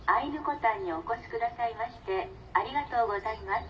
コタンにお越しくださいましてありがとうございます。